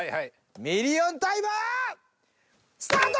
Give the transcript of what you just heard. ミリオンタイマースタート！